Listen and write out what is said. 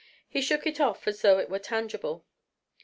He shook it off as though it were tangible.